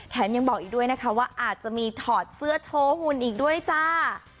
ยังบอกอีกด้วยนะคะว่าอาจจะมีถอดเสื้อโชว์หุ่นอีกด้วยจ้า